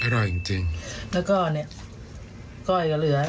แล้วก็อันนี้ก็อีกก็เหลือ